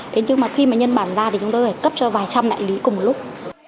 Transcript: thế nhưng mà khi mà nhân bản ra thì chúng tôi phải cấp cho vài trăm đại lý cùng một lúc